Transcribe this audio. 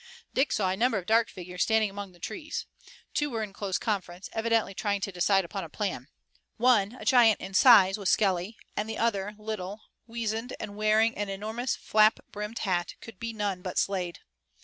Dick saw a number of dark figures standing among the trees. Two were in close conference, evidently trying to decide upon a plan. One, a giant in size, was Skelly, and the other, little, weazened and wearing an enormous flap brimmed hat, could be none but Slade.